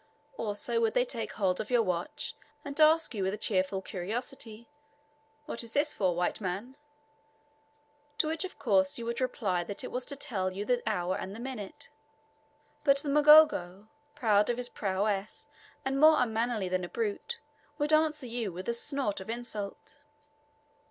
Also would they take hold of your watch and ask you with a cheerful curiosity, "What is this for, white man?" to which you of course would reply that it was to tell you the hour and minute. But the Mgogo, proud of his prowess, and more unmannerly than a brute, would answer you with a snort of insult.